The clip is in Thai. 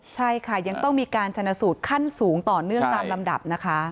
ใช่ค่ะยังต้องมีการชนะสูตรขั้นสูงต่อเนื่องตามลำดับนะคะ